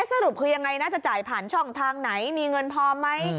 สรุปคือยังไงนะจะจ่ายผ่านช่องทางไหนมีเงินพอไหม